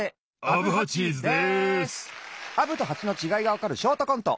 アブとハチのちがいがわかるショートコント。